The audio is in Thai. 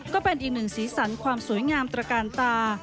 ก็เป็นอีกหนึ่งสีสันความสวยงามตระกาลตา